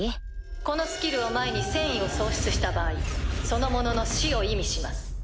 このスキルを前に戦意を喪失した場合その者の死を意味します。